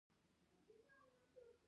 په کور کی کوم ډول خواړه تیاروئ؟